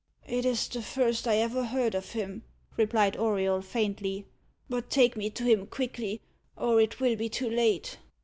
"It is the first I ever heard of him," replied Auriol faintly; "but take me to him quickly, or it will be too late."